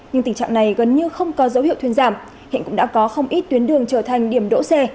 nhưng tình trạng này gần như không có dấu hiệu thuyên giảm hiện cũng đã có không ít tuyến đường trở thành điểm đỗ xe